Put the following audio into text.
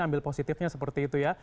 ambil positifnya seperti itu ya